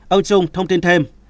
ông trung thông tin thêm